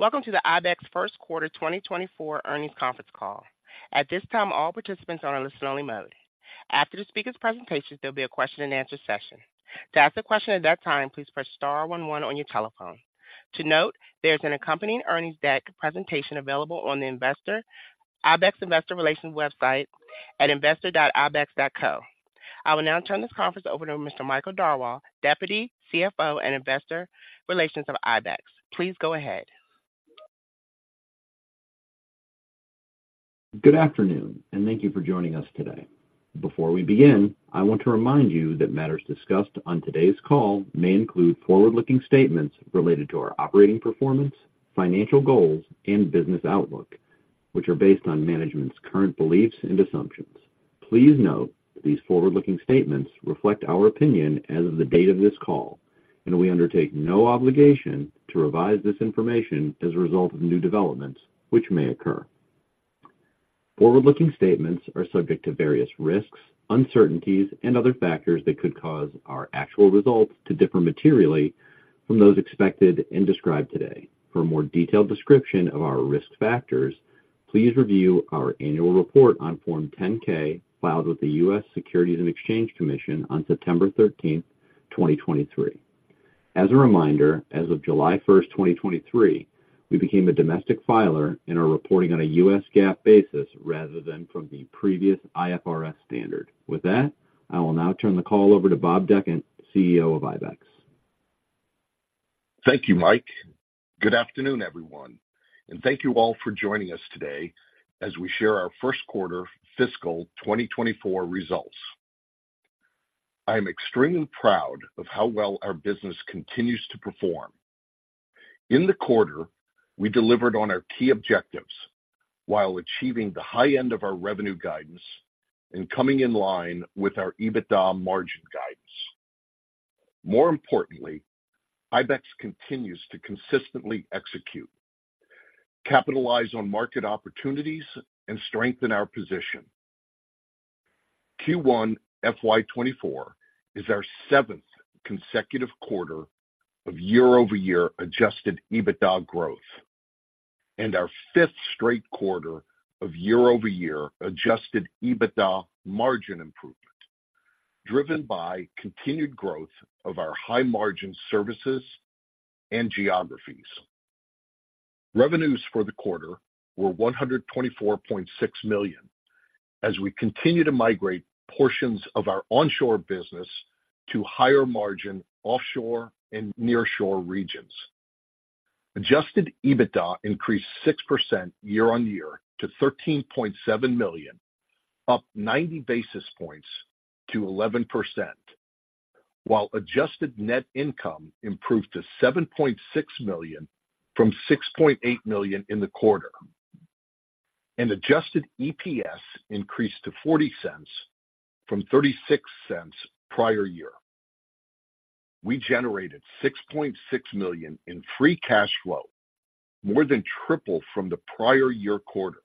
Welcome to the Ibex First Quarter 2024 Earnings Conference Call. At this time, all participants are on a listen-only mode. After the speaker's presentation, there'll be a question-and-answer session. To ask a question at that time, please press star one one on your telephone. To note, there's an accompanying earnings deck presentation available on the investor Ibex Investor Relations website at investor.ibex.co. I will now turn this conference over to Mr. Michael Darwal, Deputy CFO and Investor Relations of Ibex. Please go ahead. Good afternoon, and thank you for joining us today. Before we begin, I want to remind you that matters discussed on today's call may include forward-looking statements related to our operating performance, financial goals, and business outlook, which are based on management's current beliefs and assumptions. Please note, these forward-looking statements reflect our opinion as of the date of this call, and we undertake no obligation to revise this information as a result of new developments which may occur. Forward-looking statements are subject to various risks, uncertainties, and other factors that could cause our actual results to differ materially from those expected and described today. For a more detailed description of our risk factors, please review our annual report on Form 10-K, filed with the U.S. Securities and Exchange Commission on September 13, 2023. As a reminder, as of July first, 2023, we became a domestic filer and are reporting on a U.S. GAAP basis rather than from the previous IFRS standard. With that, I will now turn the call over to Bob Dechant, CEO of ibex. Thank you, Mike. Good afternoon, everyone, and thank you all for joining us today as we share our first quarter fiscal 2024 results. I am extremely proud of how well our business continues to perform. In the quarter, we delivered on our key objectives while achieving the high end of our revenue guidance and coming in line with our EBITDA margin guidance. More importantly, Ibex continues to consistently execute, capitalize on market opportunities, and strengthen our position. Q1 FY 2024 is our seventh consecutive quarter of year-over-year adjusted EBITDA growth and our fifth straight quarter of year-over-year adjusted EBITDA margin improvement, driven by continued growth of our high-margin services and geographies. Revenues for the quarter were $124.6 million as we continue to migrate portions of our onshore business to higher-margin offshore and nearshore regions. Adjusted EBITDA increased 6% year-on-year to $13.7 million, up 90 basis points to 11%, while adjusted net income improved to $7.6 million from $6.8 million in the quarter, and adjusted EPS increased to $0.40 from $0.36 prior year. We generated $6.6 million in free cash flow, more than triple from the prior-year quarter,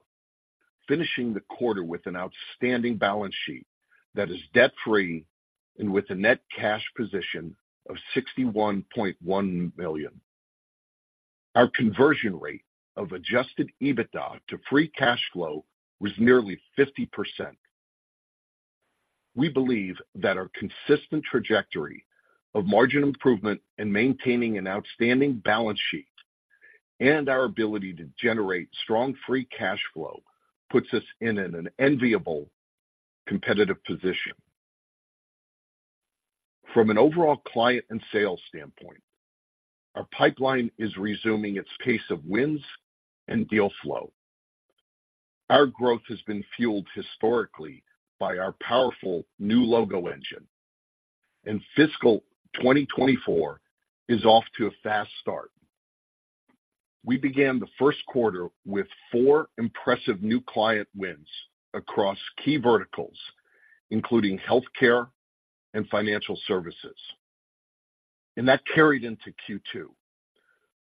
finishing the quarter with an outstanding balance sheet that is debt-free and with a net cash position of $61.1 million. Our conversion rate of adjusted EBITDA to free cash flow was nearly 50%. We believe that our consistent trajectory of margin improvement and maintaining an outstanding balance sheet and our ability to generate strong free cash flow puts us in an enviable competitive position. From an overall client and sales standpoint, our pipeline is resuming its pace of wins and deal flow. Our growth has been fueled historically by our powerful new logo engine, and fiscal 2024 is off to a fast start. We began the first quarter with four impressive new client wins across key verticals, including healthcare and financial services, and that carried into Q2.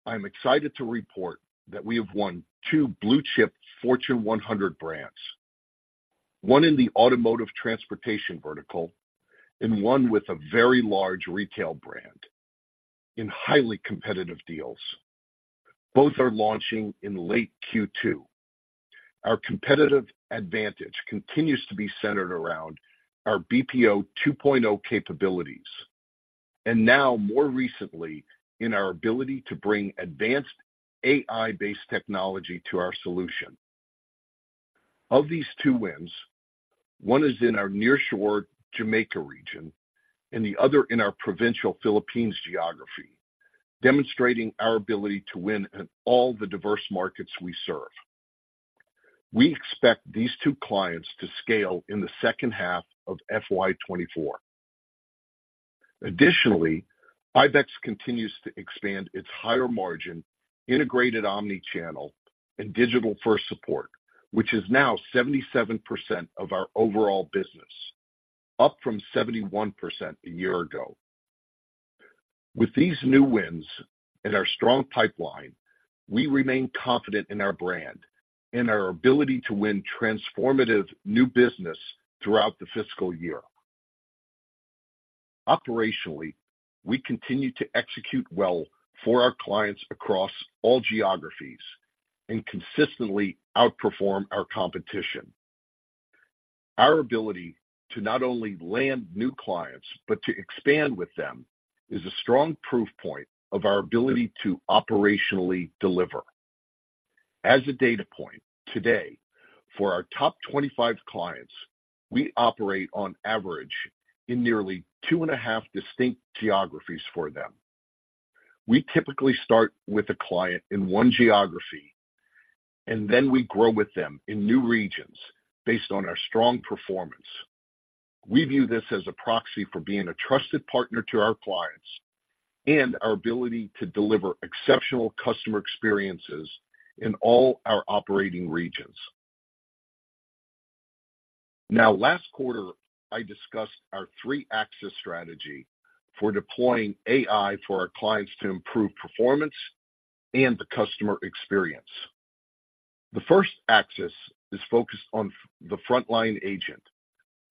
I am excited to report that we have won two blue-chip Fortune 100 brands, one in the automotive transportation vertical and one with a very large retail brand in highly competitive deals. Both are launching in late Q2. Our competitive advantage continues to be centered around our BPO 2.0 capabilities and now more recently in our ability to bring advanced AI-based technology to our solution. Of these two wins, one is in our nearshore Jamaica region and the other in our provincial Philippines geography, demonstrating our ability to win in all the diverse markets we serve. We expect these two clients to scale in the second half of FY 2024. Additionally, ibex continues to expand its higher margin, integrated omni-channel, and digital-first support, which is now 77% of our overall business, up from 71% a year ago. With these new wins and our strong pipeline, we remain confident in our brand and our ability to win transformative new business throughout the fiscal year. Operationally, we continue to execute well for our clients across all geographies and consistently outperform our competition. Our ability to not only land new clients, but to expand with them, is a strong proof point of our ability to operationally deliver. As a data point, today, for our top 25 clients, we operate on average in nearly two and a half distinct geographies for them. We typically start with a client in one geography, and then we grow with them in new regions based on our strong performance. We view this as a proxy for being a trusted partner to our clients and our ability to deliver exceptional customer experiences in all our operating regions. Now, last quarter, I discussed our three-axis strategy for deploying AI for our clients to improve performance and the customer experience. The first axis is focused on the frontline agent,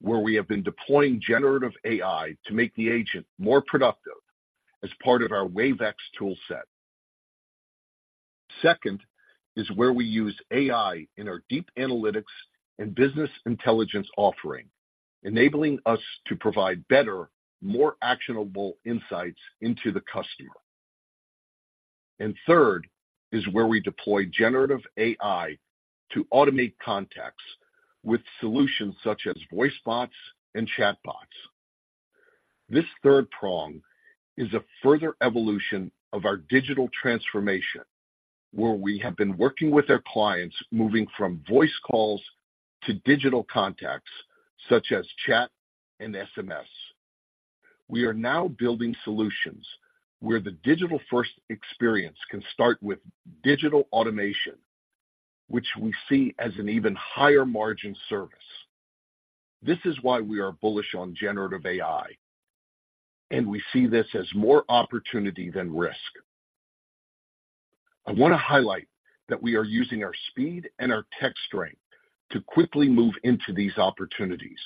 where we have been deploying generative AI to make the agent more productive as part of our Wave iX toolset. Second, is where we use AI in our deep analytics and business intelligence offering, enabling us to provide better, more actionable insights into the customer. Third is where we deploy generative AI to automate contacts with solutions such as voice bots and chatbots. This third prong is a further evolution of our digital transformation, where we have been working with our clients, moving from voice calls to digital contacts such as chat and SMS. We are now building solutions where the digital-first experience can start with digital automation, which we see as an even higher margin service. This is why we are bullish on generative AI, and we see this as more opportunity than risk. I want to highlight that we are using our speed and our tech strength to quickly move into these opportunities.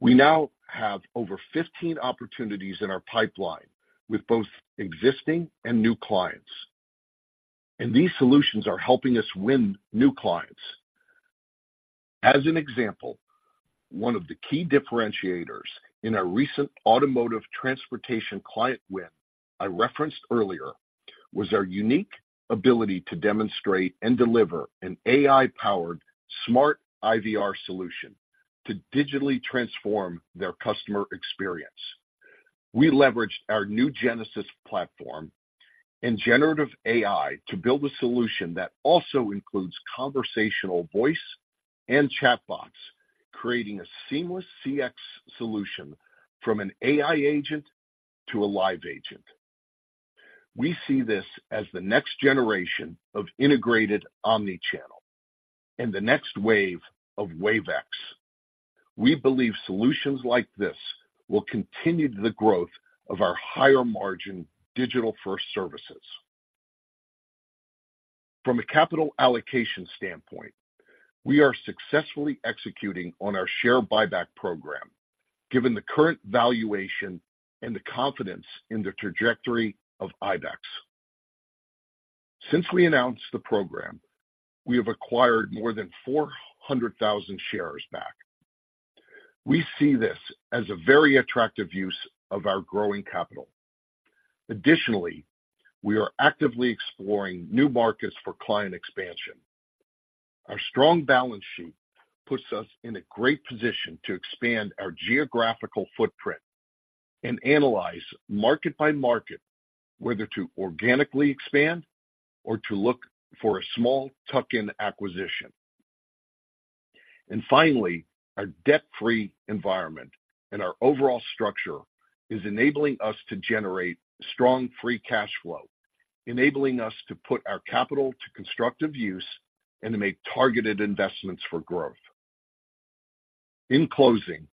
We now have over 15 opportunities in our pipeline with both existing and new clients, and these solutions are helping us win new clients. As an example, one of the key differentiators in our recent automotive transportation client win I referenced earlier, was our unique ability to demonstrate and deliver an AI-powered smart IVR solution to digitally transform their customer experience. We leveraged our new Genesys platform and generative AI to build a solution that also includes conversational voice and chatbots, creating a seamless CX solution from an AI agent to a live agent. We see this as the next generation of integrated omni-channel and the next wave of Wave iX. We believe solutions like this will continue the growth of our higher-margin digital-first services. From a capital allocation standpoint, we are successfully executing on our share buyback program, given the current valuation and the confidence in the trajectory of ibex. Since we announced the program, we have acquired more than 400,000 shares back. We see this as a very attractive use of our growing capital. Additionally, we are actively exploring new markets for client expansion. Our strong balance sheet puts us in a great position to expand our geographical footprint and analyze market by market, whether to organically expand or to look for a small tuck-in acquisition. Finally, our debt-free environment and our overall structure is enabling us to generate strong free cash flow, enabling us to put our capital to constructive use and to make targeted investments for growth. In closing,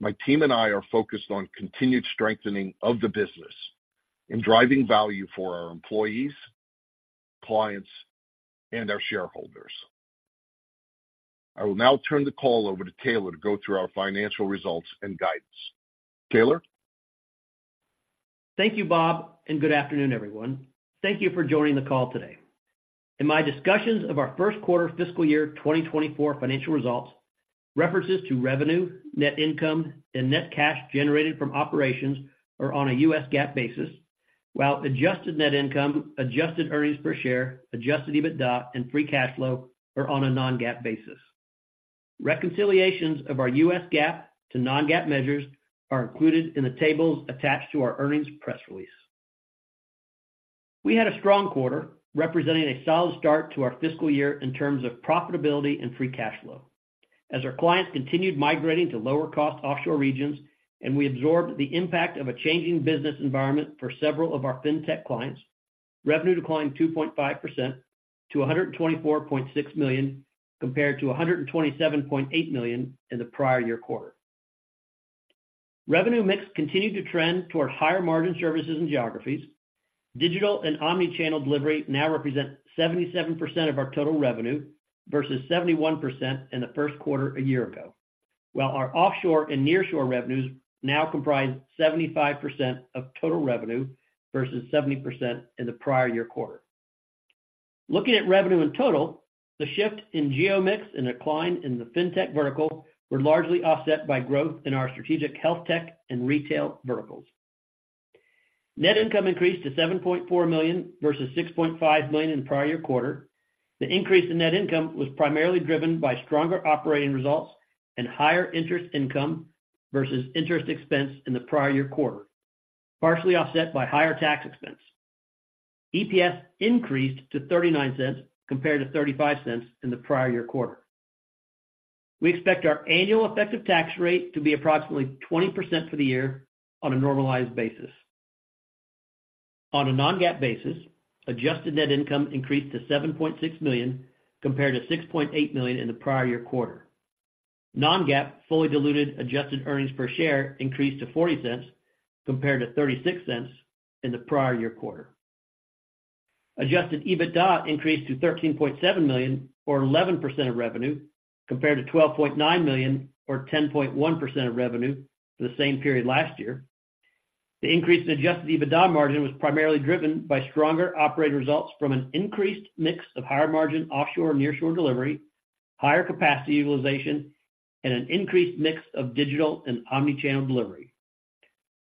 my team and I are focused on continued strengthening of the business and driving value for our employees, clients, and our shareholders. I will now turn the call over to Taylor to go through our financial results and guidance. Taylor? Thank you, Bob, and good afternoon, everyone. Thank you for joining the call today. In my discussions of our first quarter fiscal year 2024 financial results, references to revenue, net income, and net cash generated from operations are on a U.S. GAAP basis, while Adjusted net income, Adjusted earnings per share, Adjusted EBITDA, and Free Cash Flow are on a non-GAAP basis. Reconciliations of our U.S. GAAP to non-GAAP measures are included in the tables attached to our earnings press release. We had a strong quarter, representing a solid start to our fiscal year in terms of profitability and Free Cash Flow. As our clients continued migrating to lower-cost offshore regions, and we absorbed the impact of a changing business environment for several of our fintech clients, revenue declined 2.5% to $124.6 million, compared to $127.8 million in the prior year quarter. Revenue mix continued to trend toward higher-margin services and geographies... Digital and omni-channel delivery now represent 77% of our total revenue, versus 71% in the first quarter a year ago. While our offshore and nearshore revenues now comprise 75% of total revenue, versus 70% in the prior year quarter. Looking at revenue in total, the shift in geo mix and decline in the fintech vertical were largely offset by growth in our strategic health tech and retail verticals. Net income increased to $7.4 million, versus $6.5 million in the prior year quarter. The increase in net income was primarily driven by stronger operating results and higher interest income versus interest expense in the prior year quarter, partially offset by higher tax expense. EPS increased to $0.39 compared to $0.35 in the prior year quarter. We expect our annual effective tax rate to be approximately 20% for the year on a normalized basis. On a non-GAAP basis, adjusted net income increased to $7.6 million, compared to $6.8 million in the prior year quarter. Non-GAAP fully diluted adjusted earnings per share increased to $0.40, compared to $0.36 in the prior year quarter. Adjusted EBITDA increased to $13.7 million, or 11% of revenue, compared to $12.9 million, or 10.1% of revenue for the same period last year. The increase in adjusted EBITDA margin was primarily driven by stronger operating results from an increased mix of higher margin offshore and nearshore delivery, higher capacity utilization, and an increased mix of digital and omni-channel delivery.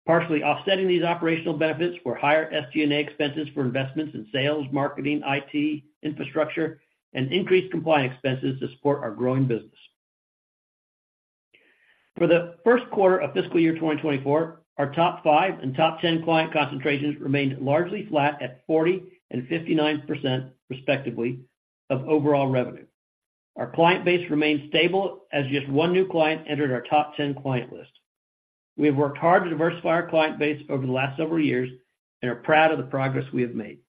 Partially offsetting these operational benefits were higher SG&A expenses for investments in sales, marketing, IT, infrastructure, and increased compliance expenses to support our growing business. For the first quarter of fiscal year 2024, our top five and top 10 client concentrations remained largely flat at 40% and 59%, respectively, of overall revenue. Our client base remained stable as just one new client entered our top 10 client list. We have worked hard to diversify our client base over the last several years and are proud of the progress we have made.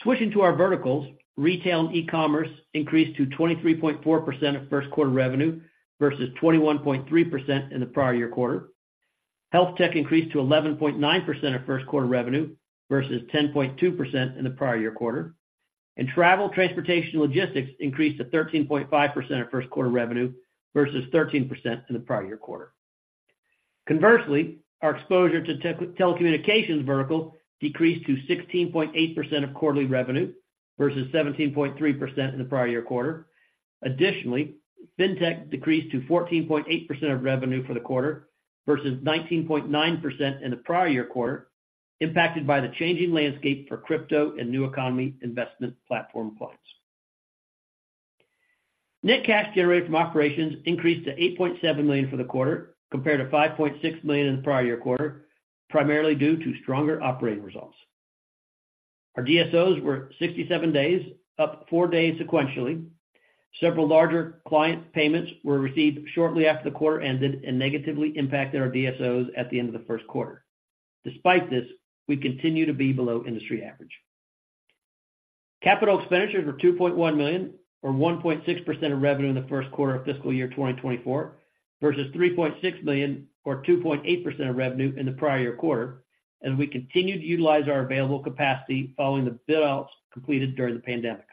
Switching to our verticals, retail and e-commerce increased to 23.4% of first quarter revenue, versus 21.3% in the prior year quarter. Health tech increased to 11.9% of first quarter revenue, versus 10.2% in the prior year quarter. Travel, transportation and logistics increased to 13.5% of first quarter revenue, versus 13% in the prior year quarter. Conversely, our exposure to tech-telecommunications vertical decreased to 16.8% of quarterly revenue, versus 17.3% in the prior year quarter. Additionally, fintech decreased to 14.8% of revenue for the quarter, versus 19.9% in the prior year quarter, impacted by the changing landscape for crypto and new economy investment platform clients. Net cash generated from operations increased to $8.7 million for the quarter, compared to $5.6 million in the prior year quarter, primarily due to stronger operating results. Our DSOs were 67 days, up four days sequentially. Several larger client payments were received shortly after the quarter ended and negatively impacted our DSOs at the end of the first quarter. Despite this, we continue to be below industry average. Capital expenditures were $2.1 million, or 1.6% of revenue in the first quarter of fiscal year 2024, versus $3.6 million, or 2.8% of revenue in the prior year quarter, as we continued to utilize our available capacity following the build-outs completed during the pandemic.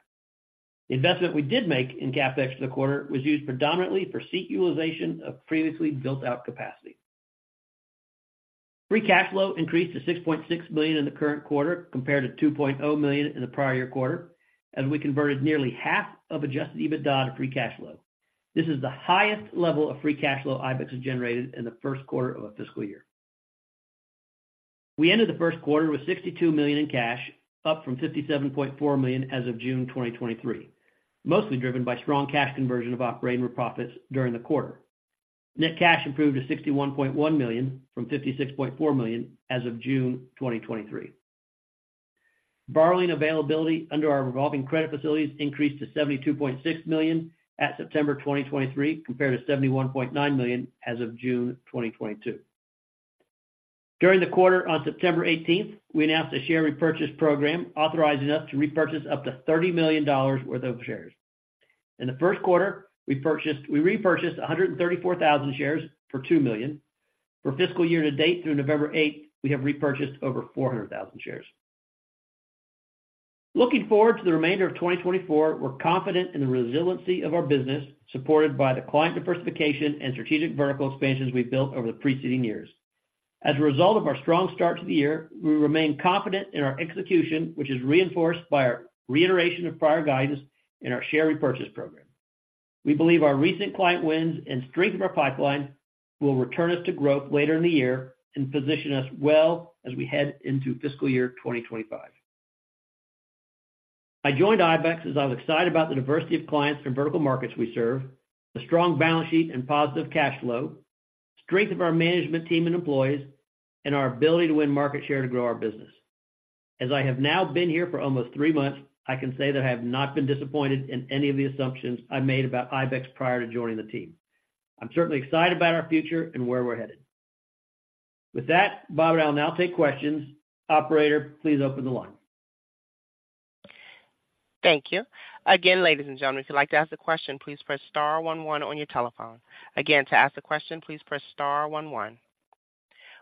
The investment we did make in CapEx for the quarter was used predominantly for seat utilization of previously built-out capacity. Free cash flow increased to $6.6 million in the current quarter, compared to $2.0 million in the prior year quarter, as we converted nearly half of adjusted EBITDA to free cash flow. This is the highest level of free cash flow ibex has generated in the first quarter of a fiscal year. We ended the first quarter with $62 million in cash, up from $57.4 million as of June 2023, mostly driven by strong cash conversion of operating profits during the quarter. Net cash improved to $61.1 million from $56.4 million as of June 2023. Borrowing availability under our revolving credit facilities increased to $72.6 million at September 2023, compared to $71.9 million as of June 2022. During the quarter, on September eighteenth, we announced a share repurchase program authorizing us to repurchase up to $30 million worth of shares. In the first quarter, we repurchased 134,000 shares for $2 million. For fiscal year to date through November eighth, we have repurchased over 400,000 shares. Looking forward to the remainder of 2024, we're confident in the resiliency of our business, supported by the client diversification and strategic vertical expansions we've built over the preceding years. As a result of our strong start to the year, we remain confident in our execution, which is reinforced by our reiteration of prior guidance in our share repurchase program. We believe our recent client wins and strength of our pipeline will return us to growth later in the year and position us well as we head into fiscal year 2025. I joined ibex as I was excited about the diversity of clients from vertical markets we serve, the strong balance sheet and positive cash flow, strength of our management team and employees, and our ability to win market share to grow our business. As I have now been here for almost three months, I can say that I have not been disappointed in any of the assumptions I made about ibex prior to joining the team. I'm certainly excited about our future and where we're headed. With that, Bob and I will now take questions. Operator, please open the line. ... Thank you. Again, ladies and gentlemen, if you'd like to ask a question, please press star one one on your telephone. Again, to ask a question, please press star one one.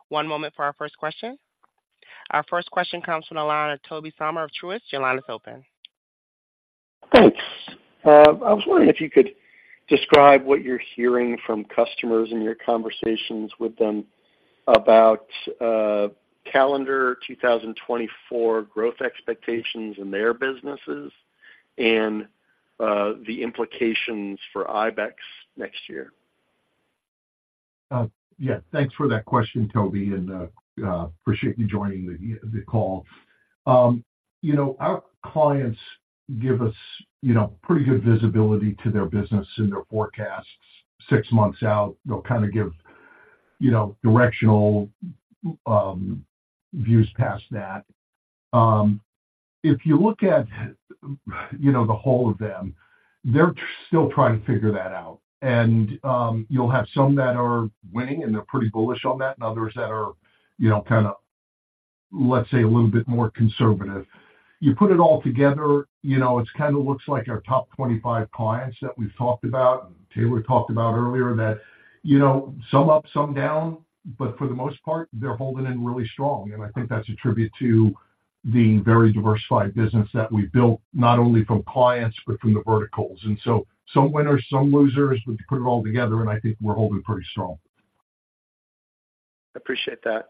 One moment for our first question. Our first question comes from the line of Tobey Sommer of Truist. Your line is open. Thanks. I was wondering if you could describe what you're hearing from customers in your conversations with them about calendar 2024 growth expectations in their businesses and the implications for ibex next year? Yeah, thanks for that question, Tobey, and appreciate you joining the call. You know, our clients give us, you know, pretty good visibility to their business and their forecasts. Six months out, they'll kind of give, you know, directional views past that. If you look at, you know, the whole of them, they're still trying to figure that out. And you'll have some that are winning, and they're pretty bullish on that, and others that are, you know, kind of, let's say, a little bit more conservative. You put it all together, you know, it's kind of looks like our top 25 clients that we've talked about, Taylor talked about earlier, that, you know, some up, some down, but for the most part, they're holding in really strong. I think that's a tribute to the very diversified business that we've built, not only from clients, but from the verticals. So some winners, some losers, but you put it all together, and I think we're holding pretty strong. I appreciate that.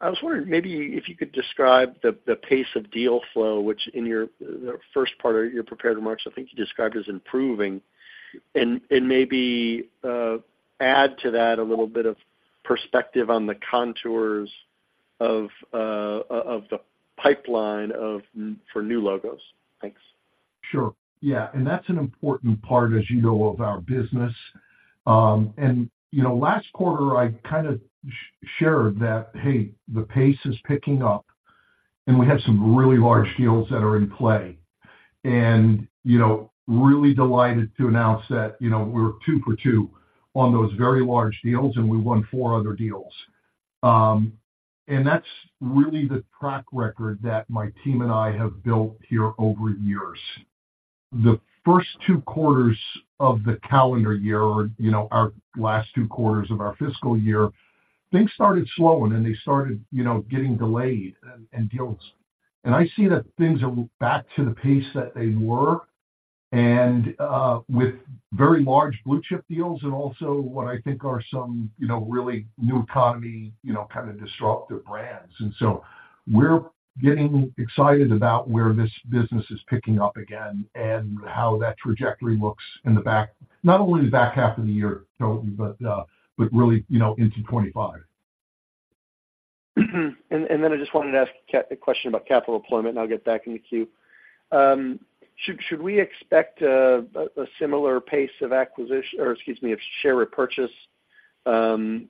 I was wondering maybe if you could describe the pace of deal flow, which in your first part of your prepared remarks, I think you described as improving, and maybe add to that a little bit of perspective on the contours of the pipeline for new logos. Thanks. Sure. Yeah, and that's an important part, as you know, of our business. You know, last quarter, I kind of shared that, hey, the pace is picking up, and we have some really large deals that are in play. And, you know, really delighted to announce that, you know, we're two for two on those very large deals, and we won four other deals. That's really the track record that my team and I have built here over years. The first two quarters of the calendar year, or, you know, our last two quarters of our fiscal year, things started slowing, and they started, you know, getting delayed and deals. I see that things are back to the pace that they were and with very large blue chip deals and also what I think are some, you know, really new economy, you know, kind of disruptive brands. And so we're getting excited about where this business is picking up again and how that trajectory looks in the back half of the year, Tobey, but really, you know, into 25. Then I just wanted to ask a question about capital deployment, and I'll get back in the queue. Should we expect a similar pace of acquisition, or excuse me, of share repurchase, given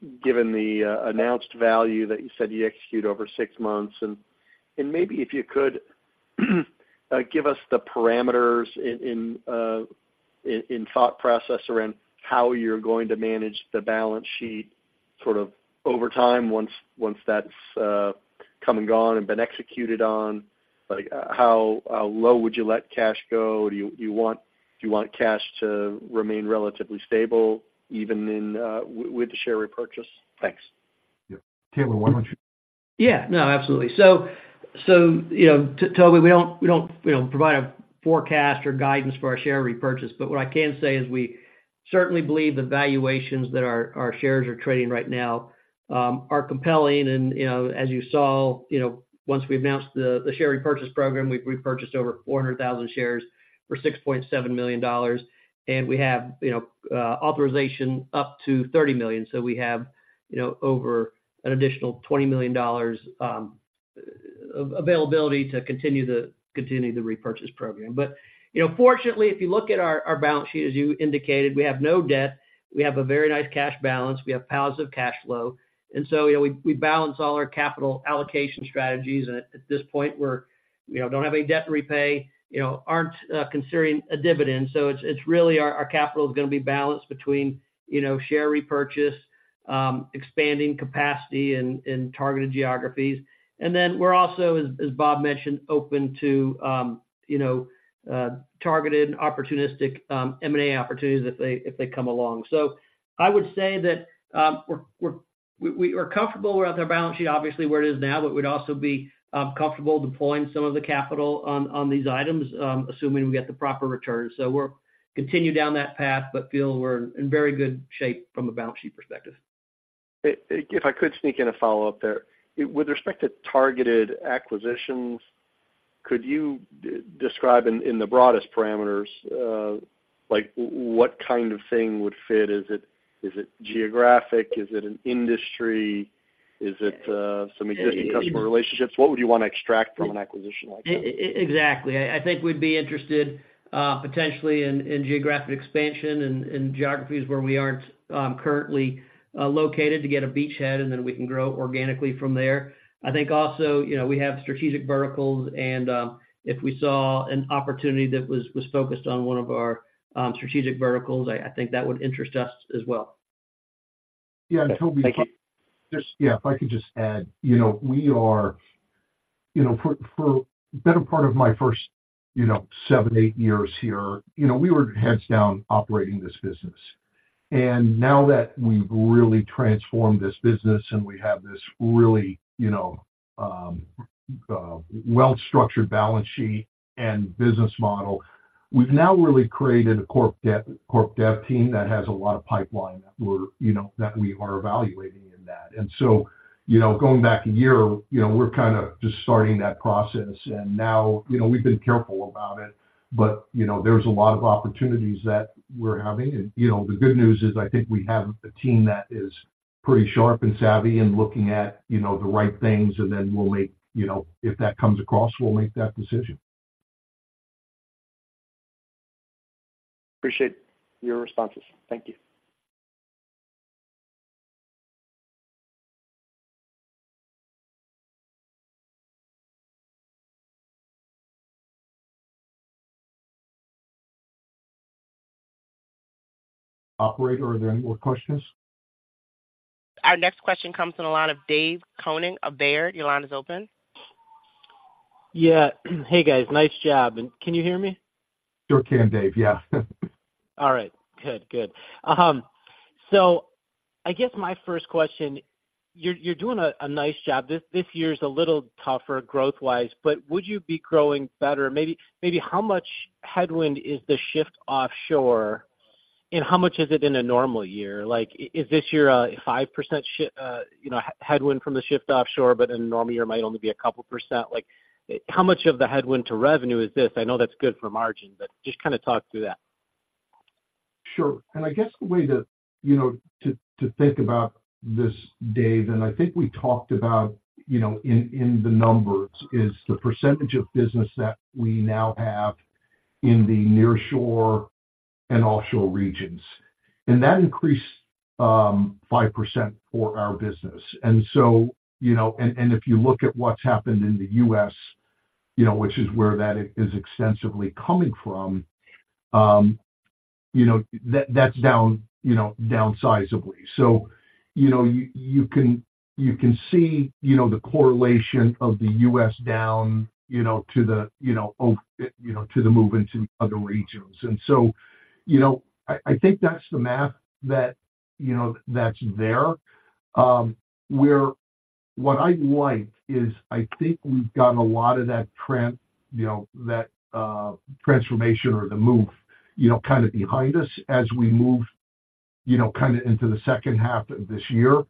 the announced value that you said you execute over six months? And maybe if you could give us the parameters in thought process around how you're going to manage the balance sheet, sort of, over time, once that's come and gone and been executed on, like how low would you let cash go? Do you want cash to remain relatively stable, even with the share repurchase? Thanks. Yeah. Taylor, why don't you- Yeah. No, absolutely. So, Tobey, we don't provide a forecast or guidance for our share repurchase, but what I can say is we certainly believe the valuations that our shares are trading right now are compelling. And, you know, as you saw, you know, once we've announced the share repurchase program, we've repurchased over 400,000 shares for $6.7 million, and we have authorization up to $30 million. So we have, you know, over an additional $20 million availability to continue the repurchase program. But, you know, fortunately, if you look at our balance sheet, as you indicated, we have no debt. We have a very nice cash balance. We have positive cash flow. And so, you know, we balance all our capital allocation strategies, and at this point, we're you know don't have any debt to repay, you know, aren't considering a dividend. So it's really our capital is gonna be balanced between, you know, share repurchase, expanding capacity in targeted geographies. And then we're also, as Bob mentioned, open to, you know, targeted and opportunistic M&A opportunities if they come along. So I would say that we're--we are comfortable with our balance sheet, obviously, where it is now, but we'd also be comfortable deploying some of the capital on these items, assuming we get the proper return. So we're continue down that path, but feel we're in very good shape from a balance sheet perspective. If I could sneak in a follow-up there. With respect to targeted acquisitions, could you describe in the broadest parameters, like, what kind of thing would fit? Is it geographic? Is it an industry? Is it some existing customer relationships? What would you want to extract from an acquisition like that? Exactly. I think we'd be interested potentially in geographic expansion and geographies where we aren't currently located to get a beachhead, and then we can grow organically from there. I think also, you know, we have strategic verticals, and if we saw an opportunity that was focused on one of our strategic verticals, I think that would interest us as well. ... Yeah, and Tobey, just, yeah, if I could just add, you know, we are, you know, for the better part of my first, you know, seven, eight years here, you know, we were heads down operating this business. And now that we've really transformed this business and we have this really, you know, well-structured balance sheet and business model, we've now really created a corp dev, corp dev team that has a lot of pipeline that we're, you know, that we are evaluating in that. And so, you know, going back a year, you know, we're kind of just starting that process. And now, you know, we've been careful about it, but, you know, there's a lot of opportunities that we're having. You know, the good news is I think we have a team that is pretty sharp and savvy and looking at, you know, the right things, and then we'll make, you know, if that comes across, we'll make that decision. Appreciate your responses. Thank you. Operator, are there any more questions? Our next question comes from the line of Dave Koning of Baird. Your line is open. Yeah. Hey, guys. Nice job, and can you hear me? Sure can, Dave. Yeah. All right. Good, good. So I guess my first question, you're, you're doing a, a nice job. This, this year is a little tougher growth-wise, but would you be growing better? Maybe, maybe how much headwind is the shift offshore, and how much is it in a normal year? Like, is this year a 5% headwind from the shift offshore, but in a normal year, it might only be a couple percent? Like, how much of the headwind to revenue is this? I know that's good for margin, but just kind of talk through that. Sure. And I guess the way to, you know, to think about this, Dave, and I think we talked about, you know, in the numbers, is the percentage of business that we now have in the nearshore and offshore regions. And that increased 5% for our business. And so, you know, and if you look at what's happened in the U.S., you know, which is where that is extensively coming from, you know, that's down, you know, down sizably. So, you know, you can see, you know, the correlation of the U.S. down, you know, to the move into other regions. And so, you know, I think that's the math that, you know, that's there. What I like is I think we've gotten a lot of that trend, you know, that transformation or the move, you know, kind of behind us as we move, you know, kind of into the second half of this year.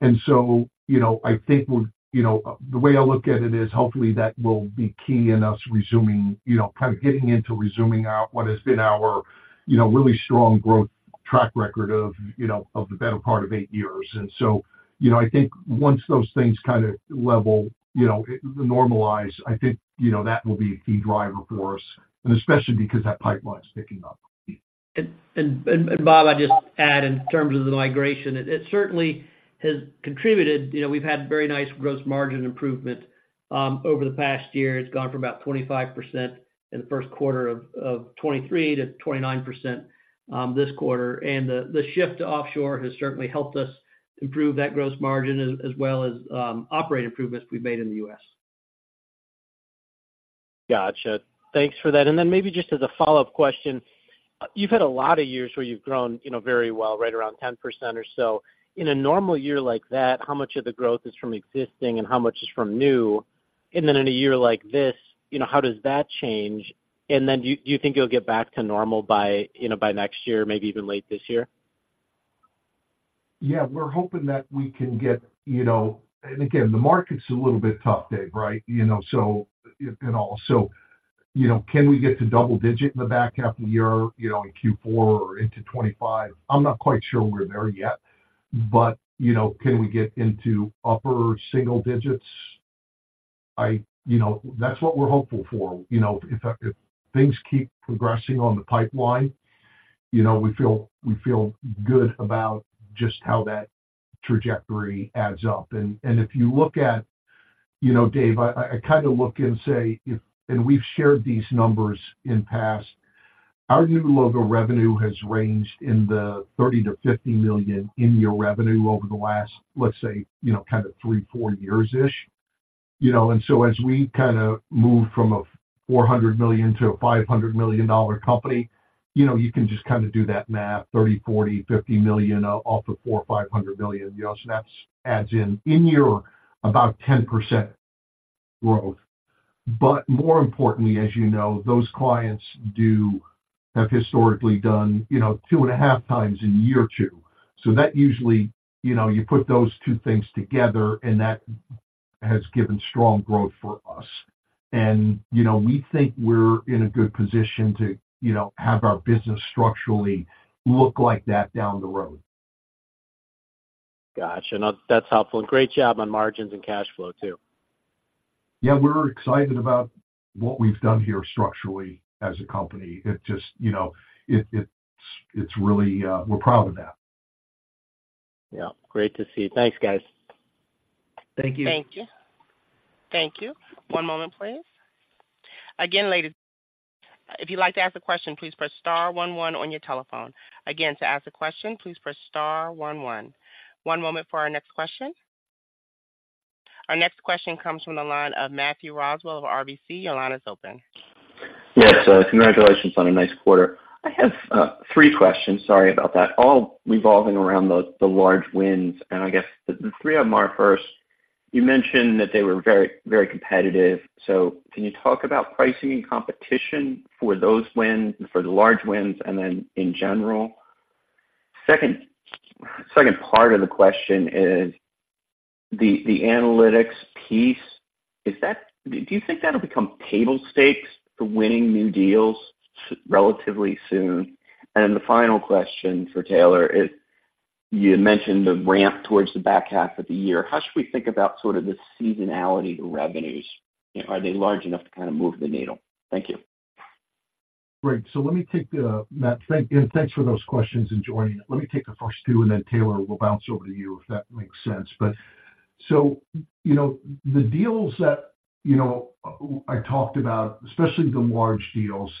And so, you know, I think we're... You know, the way I look at it is hopefully that will be key in us resuming, you know, kind of getting into resuming our, what has been our, you know, really strong growth track record of, you know, of the better part of eight years. And so, you know, I think once those things kind of level, you know, normalize, I think, you know, that will be a key driver for us, and especially because that pipeline is picking up. Bob, I'd just add, in terms of the migration, it certainly has contributed. You know, we've had very nice gross margin improvement over the past year. It's gone from about 25% in the first quarter of 2023 to 29% this quarter. And the shift to offshore has certainly helped us improve that gross margin as well as operational improvements we've made in the U.S. Gotcha. Thanks for that. And then maybe just as a follow-up question, you've had a lot of years where you've grown, you know, very well, right around 10% or so. In a normal year like that, how much of the growth is from existing and how much is from new? And then in a year like this, you know, how does that change? And then do you, do you think it'll get back to normal by, you know, by next year, maybe even late this year? Yeah, we're hoping that we can get, you know. And again, the market's a little bit tough, Dave, right? You know, so and all. So, you know, can we get to double digit in the back half of the year, you know, in Q4 or into 2025? I'm not quite sure we're there yet. But, you know, can we get into upper single digits? I, you know, that's what we're hopeful for. You know, if, if things keep progressing on the pipeline, you know, we feel, we feel good about just how that trajectory adds up. And, if you look at, you know, Dave, I, I kind of look and say, if, and we've shared these numbers in past, our new logo revenue has ranged in the $30 million-$50 million in year revenue over the last, let's say, you know, kind of three, four years-ish. You know, and so as we kind of move from a $400 million-a $500 million company, you know, you can just kind of do that math, $30, $40, $50 million off of $400, $500 million. You know, so that adds in a year about 10% growth. But more importantly, as you know, those clients do have historically done, you know, two and a half times in year two. So that usually, you know, you put those two things together, and that has given strong growth for us. You know, we think we're in a good position to, you know, have our business structurally look like that down the road. Gotcha. No, that's helpful. Great job on margins and cash flow, too. Yeah, we're excited about what we've done here structurally as a company. It just, you know, it's really, we're proud of that. Yeah. Great to see you. Thanks, guys.... Thank you. Thank you. Thank you. One moment, please. Again, ladies, if you'd like to ask a question, please press star one one on your telephone. Again, to ask a question, please press star one one. One moment for our next question. Our next question comes from the line of Matthew Roswell of RBC. Your line is open. Yes, congratulations on a nice quarter. I have three questions, sorry about that, all revolving around the large wins. And I guess the three of them are, first, you mentioned that they were very, very competitive, so can you talk about pricing and competition for those wins, for the large wins, and then in general? Second, second part of the question is the analytics piece, is that do you think that'll become table stakes for winning new deals relatively soon? And then the final question for Taylor is, you had mentioned the ramp towards the back half of the year. How should we think about sort of the seasonality to revenues? Are they large enough to kinda move the needle? Thank you. Great. So let me take Matt, thank you, and thanks for those questions and joining. Let me take the first two, and then, Taylor, we'll bounce over to you if that makes sense. So, you know, the deals that, you know, I talked about, especially the large deals,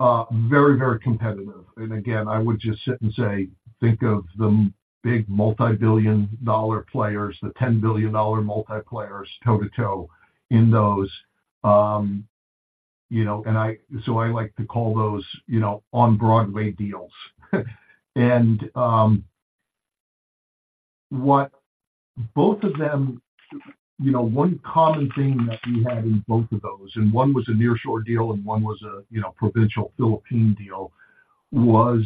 are very, very competitive. And again, I would just sit and say, think of the big multibillion-dollar players, the 10 billion dollar players, toe to toe in those, you know, and so I like to call those, you know, on Broadway deals. And, what both of them, you know, one common theme that we had in both of those, and one was a nearshore deal and one was a, you know, provincial Philippine deal, was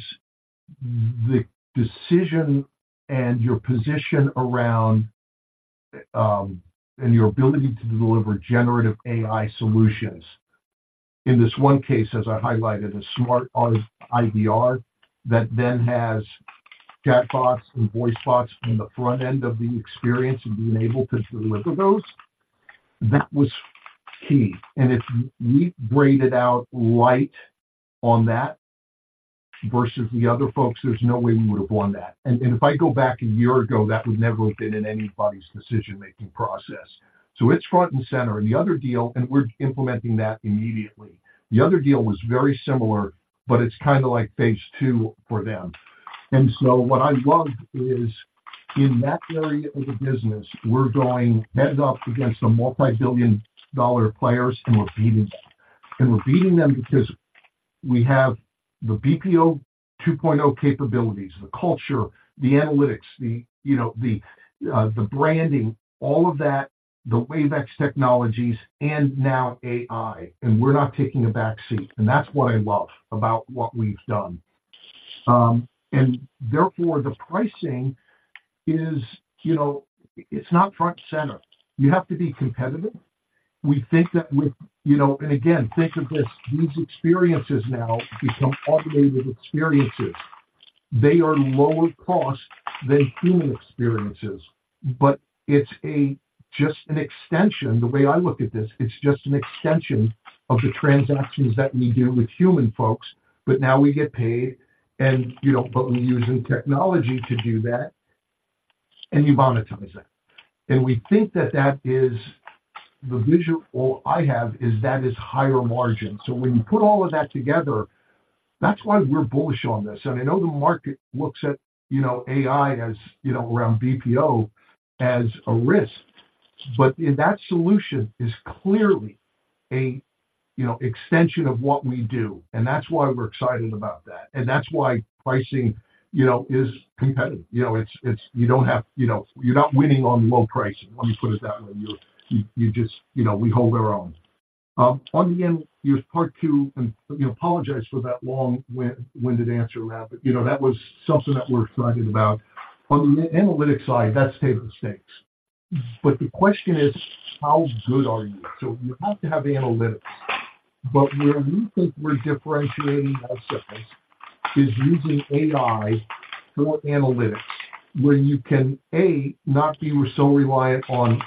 the decision and your position around, and your ability to deliver Generative AI solutions. In this one case, as I highlighted, a smart IVR that then has chatbots and voice bots on the front end of the experience and being able to deliver those, that was key. And if we graded out light on that versus the other folks, there's no way we would have won that. And if I go back a year ago, that would never have been in anybody's decision-making process. So it's front and center, and the other deal, and we're implementing that immediately. The other deal was very similar, but it's kinda like phase two for them. And so what I loved is in that area of the business, we're going head up against the multibillion-dollar players, and we're beating them. And we're beating them because we have the BPO 2.0 capabilities, the culture, the analytics, the, you know, the, the branding, all of that, the Wave iX technologies, and now AI, and we're not taking a back seat. And that's what I love about what we've done. And therefore, the pricing is, you know, it's not front and center. You have to be competitive. We think that with, you know... And again, think of this, these experiences now become automated experiences. They are lower cost than human experiences, but it's just an extension. The way I look at this, it's just an extension of the transactions that we do with human folks, but now we get paid, and, you know, but we're using technology to do that, and you monetize that. And we think that that is the vision that I have, is that it is higher margin. So when you put all of that together, that's why we're bullish on this. And I know the market looks at, you know, AI as, you know, around BPO as a risk, but in that solution is clearly a, you know, extension of what we do, and that's why we're excited about that. And that's why pricing, you know, is competitive. You know, it's, it's, you don't have, you know, you're not winning on low pricing, let me put it that way. You, you just, you know, we hold our own. On the end, your part two, and, you know, apologize for that long-winded answer, Matt, but, you know, that was something that we're excited about. On the analytics side, that's table stakes. But the question is, how good are you? So you have to have analytics, but where we think we're differentiating ourselves is using AI for analytics, where you can, A, not be so reliant on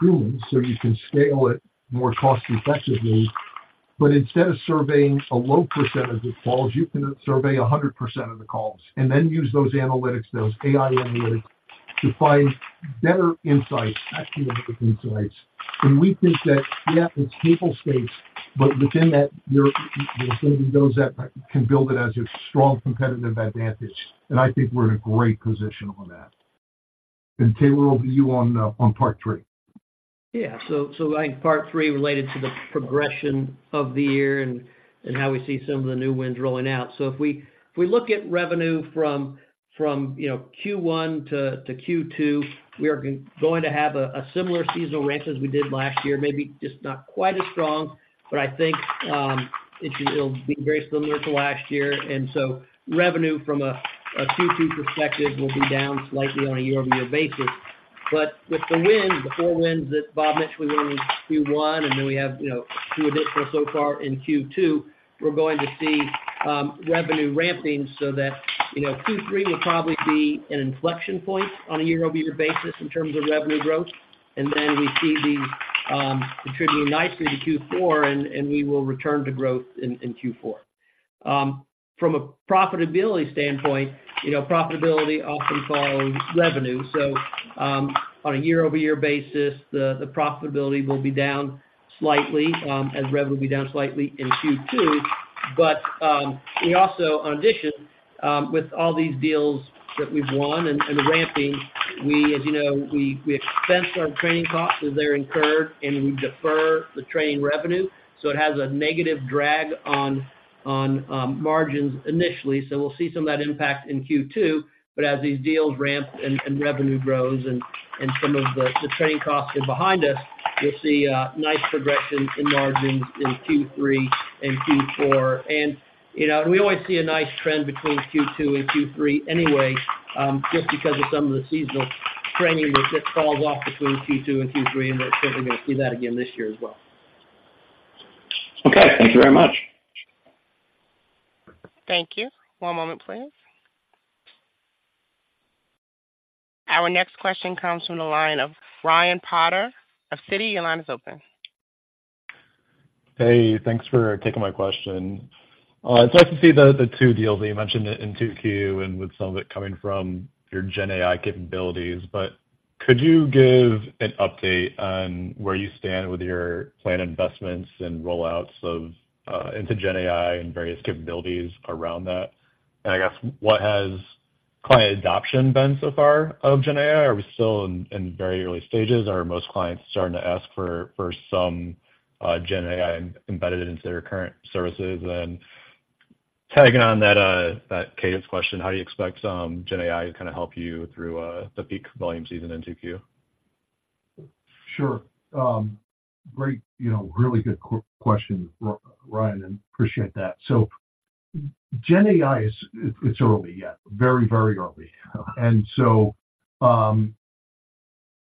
humans, so you can scale it more cost effectively. But instead of surveying a low percentage of the calls, you can survey 100% of the calls and then use those analytics, those AI analytics, to find better insights, actionable insights. And we think that, yeah, it's table stakes, but within that, you're those that can build it as your strong competitive advantage, and I think we're in a great position on that. And, Taylor, over to you on part three. Yeah. So I think part three related to the progression of the year and how we see some of the new wins rolling out. So if we look at revenue from you know Q1 to Q2, we are going to have a similar seasonal ramp as we did last year, maybe just not quite as strong, but I think it should, it'll be very similar to last year. And so revenue from a Q2 perspective will be down slightly on a year-over-year basis. But with the wins, the four wins that Bob mentioned, we won in Q1, and then we have you know two additional so far in Q2, we're going to see revenue ramping so that you know Q3 will probably be an inflection point on a year-over-year basis in terms of revenue growth. And then we see these contributing nicely to Q4, and we will return to growth in Q4. From a profitability standpoint, you know, profitability often follows revenue. So, on a year-over-year basis, the profitability will be down slightly, and rev will be down slightly in Q2. But, we also, in addition, with all these deals that we've won and ramping, we, as you know, we expense our training costs as they're incurred, and we defer the training revenue, so it has a negative drag on margins initially. So we'll see some of that impact in Q2. But as these deals ramp and revenue grows and some of the training costs are behind us, we'll see a nice progression in margins in Q3 and Q4. You know, we always see a nice trend between Q2 and Q3 anyway, just because of some of the seasonal training that just falls off between Q2 and Q3, and we're certainly gonna see that again this year as well. Okay, thank you very much. Thank you. One moment, please. Our next question comes from the line of Ryan Potter of Citi. Your line is open. Hey, thanks for taking my question. It's nice to see the two deals that you mentioned in Q2, and with some of it coming from your GenAI capabilities. But could you give an update on where you stand with your planned investments and rollouts into GenAI and various capabilities around that? And I guess, what has client adoption been so far of GenAI? Are we still in very early stages, or are most clients starting to ask for some GenAI embedded into their current services? And tagging on that, that Matt's question, how do you expect GenAI to kinda help you through the peak volume season in Q2? Sure. Great, you know, really good question, Ryan, and appreciate that. So GenAI it's early yet. Very, very early. And so,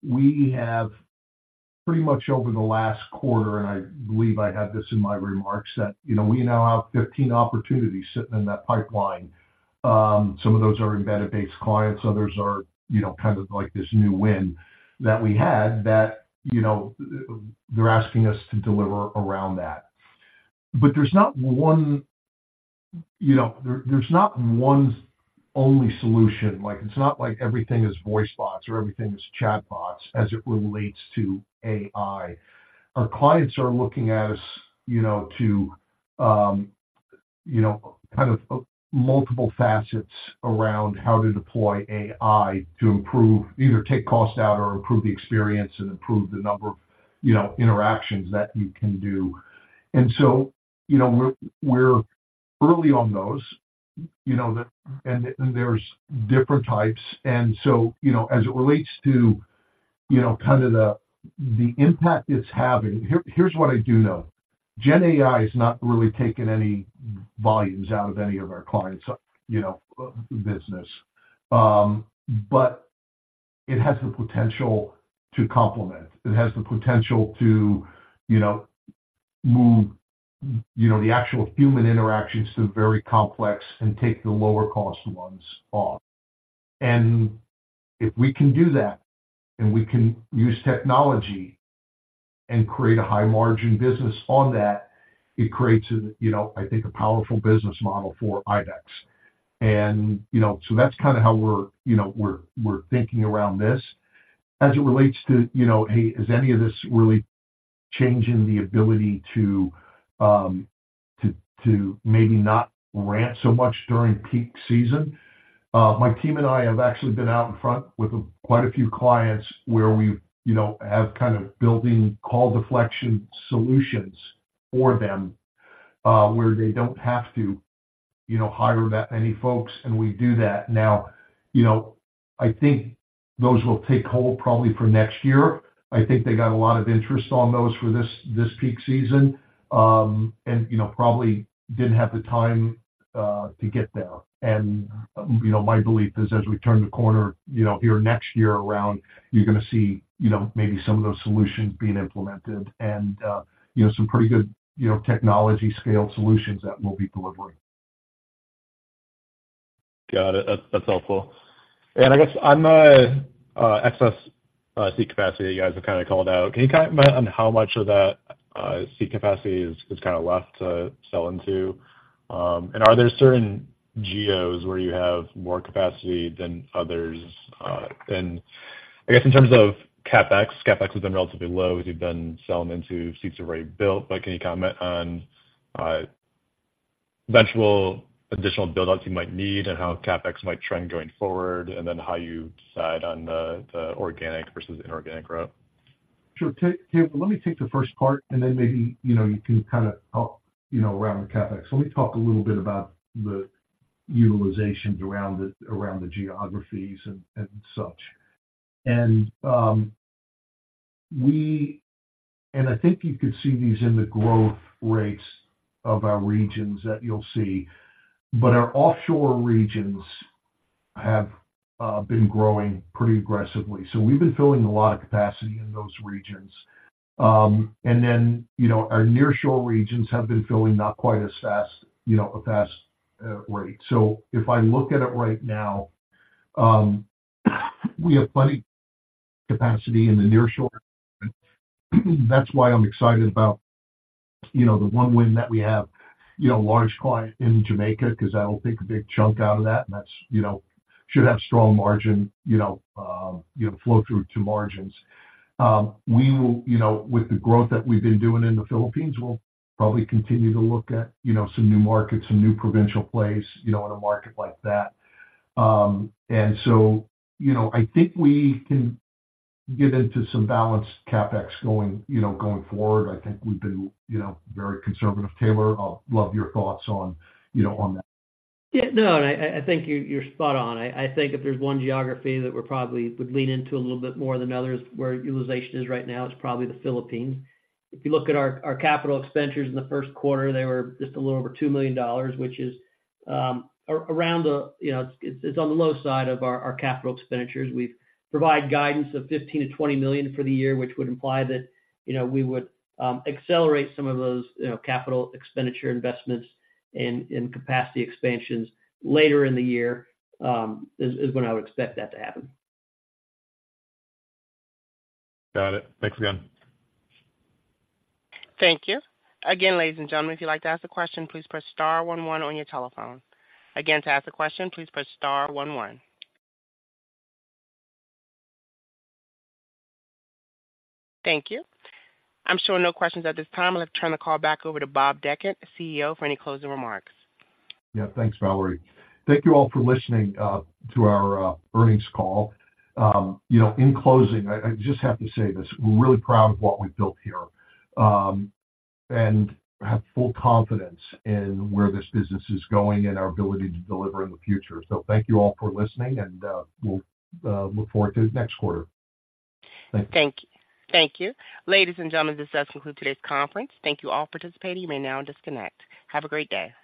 we have pretty much over the last quarter, and I believe I had this in my remarks, that, you know, we now have 15 opportunities sitting in that pipeline. Some of those are embedded base clients, others are, you know, kind of like this new win that we had, that, you know, they're asking us to deliver around that. But there's not one, you know, there's not one only solution. Like, it's not like everything is voice bots or everything is chatbots as it relates to AI. Our clients are looking at us, you know, to, you know, kind of multiple facets around how to deploy AI to improve either take costs out or improve the experience and improve the number, you know, interactions that you can do. So, you know, we're early on those, you know, and there's different types. So, you know, as it relates to, you know, kind of the impact it's having, here, here's what I do know. GenAI has not really taken any volumes out of any of our clients, you know, business. But it has the potential to complement. It has the potential to, you know, move, you know, the actual human interactions to very complex and take the lower cost ones off. And if we can do that, and we can use technology and create a high margin business on that, it creates a, you know, I think, a powerful business model for ibex. And, you know, so that's kind of how we're, you know, thinking around this. As it relates to, you know, hey, is any of this really changing the ability to maybe not ramp so much during peak season? My team and I have actually been out in front with quite a few clients where we, you know, have kind of building call deflection solutions for them, where they don't have to, you know, hire that many folks, and we do that. Now, you know, I think those will take hold probably for next year. I think they got a lot of interest on those for this peak season, and, you know, probably didn't have the time to get there. You know, my belief is, as we turn the corner, you know, here next year around, you're gonna see, you know, maybe some of those solutions being implemented and, you know, some pretty good, you know, technology scale solutions that we'll be delivering. Got it. That's, that's helpful. And I guess on the excess seat capacity you guys have kinda called out, can you comment on how much of that seat capacity is kinda left to sell into? And are there certain geos where you have more capacity than others? And I guess in terms of CapEx, CapEx has been relatively low as you've been selling into seats already built. But can you comment on eventual additional build-outs you might need and how CapEx might trend going forward, and then how you decide on the organic versus inorganic growth? Sure. Let me take the first part, and then maybe, you know, you can kind of help, you know, around the CapEx. Let me talk a little bit about the utilizations around the geographies and such. And I think you could see these in the growth rates of our regions that you'll see, but our offshore regions have been growing pretty aggressively. So we've been filling a lot of capacity in those regions. And then, you know, our nearshore regions have been filling not quite as fast, you know, a fast rate. So if I look at it right now, we have plenty of capacity in the nearshore. That's why I'm excited about, you know, the one win that we have, you know, a large client in Jamaica, 'cause that'll take a big chunk out of that, and that's, you know, should have strong margin, you know, flow through to margins. We will, you know, with the growth that we've been doing in the Philippines, we'll probably continue to look at, you know, some new markets, some new provincial place, you know, in a market like that. And so, you know, I think we can get into some balanced CapEx going, you know, going forward. I think we've been, you know, very conservative. Taylor, I'll love your thoughts on, you know, on that. Yeah, no, and I think you're spot on. I think if there's one geography that we're probably would lean into a little bit more than others, where utilization is right now, it's probably the Philippines. If you look at our capital expenditures in the first quarter, they were just a little over $2 million, which is around the, you know, it's on the low side of our capital expenditures. We've provided guidance of $15 million-$20 million for the year, which would imply that, you know, we would accelerate some of those, you know, capital expenditure investments and capacity expansions later in the year is when I would expect that to happen. Got it. Thanks again. Thank you. Again, ladies and gentlemen, if you'd like to ask a question, please press star one one on your telephone. Again, to ask a question, please press star one one. Thank you. I'm showing no questions at this time. I'd like to turn the call back over to Bob Dechant, CEO, for any closing remarks. Yeah. Thanks, Valerie. Thank you all for listening to our earnings call. You know, in closing, I just have to say this: we're really proud of what we've built here, and have full confidence in where this business is going and our ability to deliver in the future. So thank you all for listening, and we'll look forward to next quarter. Thank you. Thank you. Ladies and gentlemen, this does conclude today's conference. Thank you all for participating. You may now disconnect. Have a great day.